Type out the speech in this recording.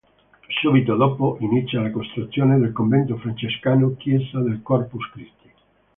Subito dopo inizia la costruzione del convento francescano Chiesa del Corpus Christi.